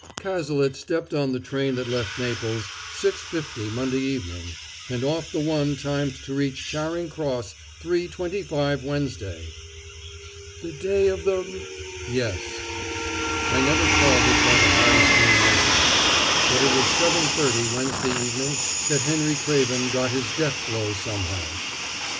"Cazalet stepped on the train that left Naples six fifty Monday evening, and off the one timed to reach Charing Cross three twenty five Wednesday." "The day of the m " "Yes. I never called it by the hardest name, myself; but it was seven thirty Wednesday evening that Henry Craven got his death blow somehow.